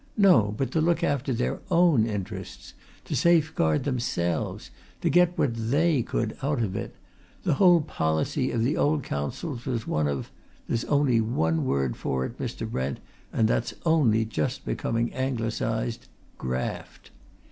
No, but to look after their own interests; to safeguard themselves; to get what they could out of it: the whole policy of the old councils was one of there's only one word for it, Mr. Brent, and that's only just becoming Anglicized Graft!